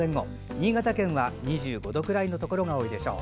新潟県は２５度くらいのところが多いでしょう。